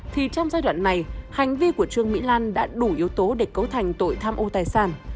thì trong giai đoạn này hành vi của trương mỹ lan đã đủ yếu tố để cấu thành tội tham ô tài sản